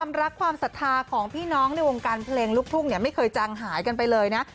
รักความศรัทธาของพี่น้องในวงการเพลงลูกทุ่งเนี่ยไม่เคยจางหายกันไปเลยนะ